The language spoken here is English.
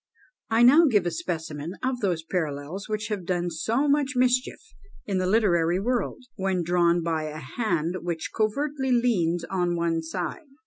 I now give a specimen of those parallels which have done so much mischief in the literary world, when drawn by a hand which covertly leans on one side.